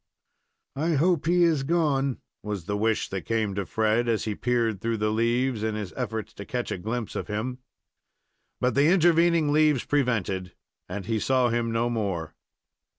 "I hope he is gone," was the wish that came to Fred, as he peered through the leaves, in his effort to catch a glimpse of him. But the intervening leaves prevented, and he saw him no more.